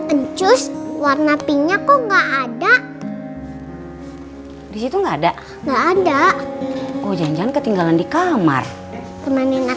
encus warna pinknya kok nggak ada di situ nggak ada nggak ada ujan ketinggalan di kamar teman yang